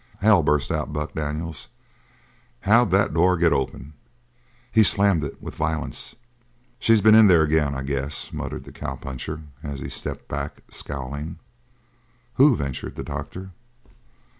"Hell!" burst out Buck Daniels. "How'd that door get open?" He slammed it with violence. "She's been in there again, I guess," muttered the cowpuncher, as he stepped back, scowling. "Who?" ventured the doctor.